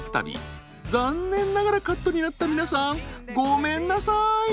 残念ながらカットになった皆さんごめんなさい。